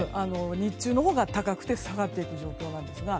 日中のほうが高くて下がっていく状況なんですが。